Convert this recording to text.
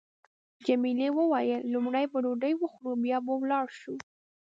جميلې وويل: لومړی به ډوډۍ وخورو بیا به ولاړ شو.